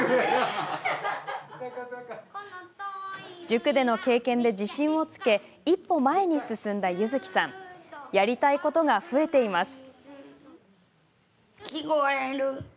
塾での経験で自信をつけ一歩前に進んだ柚希さんやりたいことが増えています。